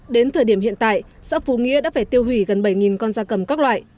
đến thời điểm hiện tại xã phú nghĩa đã phải tiêu hủy gần bảy con da cầm các loại